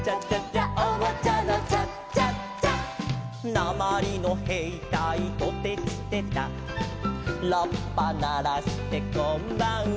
「なまりのへいたいトテチテタ」「ラッパならしてこんばんは」